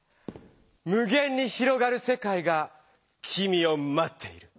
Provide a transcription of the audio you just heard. むげんに広がる世界がきみをまっている。